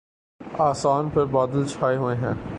آسان پر بادل چھاۓ ہوۓ ہیں